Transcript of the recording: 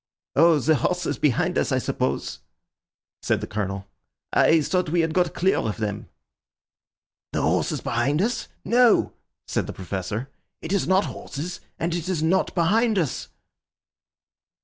"Oh, the horses behind us, I suppose," said the Colonel. "I thought we had got clear of them." "The horses behind us! No," said the Professor, "it is not horses, and it is not behind us."